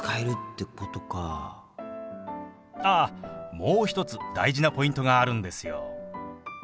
あっもう一つ大事なポイントがあるんですよ。